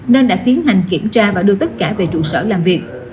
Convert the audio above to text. nên đã tiến hành kiểm tra và đưa tất cả về trụ sở làm việc